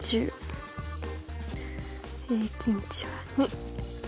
平均値は２。